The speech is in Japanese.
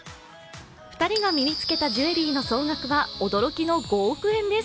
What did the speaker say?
２人が身に着けたジュエリーの総額は驚きの５億円です。